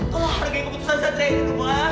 tolong hargai keputusan sadria ini nung ya